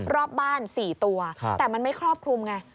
รอบบ้าน๔ตัวแต่มันไม่ครอบคลุมไง